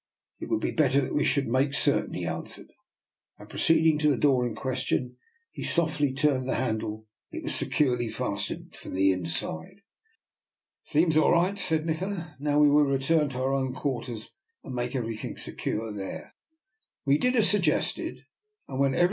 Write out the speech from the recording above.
It would be better that we should make certain," he answered, and, proceeding to the door in question, he softly turned the handle. It was securely fastened from the inside. " It seems all right," said Nikola. " Now we will return to our own quarters, and make everything secure there." We did as suggested, and when every \ DR. NIKOLA'S EXPERIMENT.